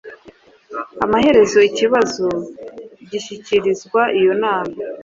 amaherezo ikibazo gishyikirizwa iyo nama.